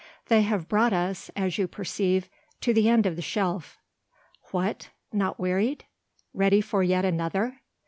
They have brought us, as you perceive, to the end of the shelf. What, not wearied? Ready for yet another?